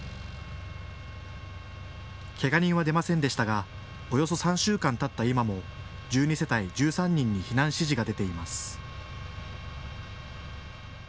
けが人は出ませんでしたがおよそ３週間たった今も１２世帯１３人に避難指示が出ています。